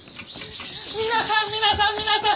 皆さん皆さん皆さん！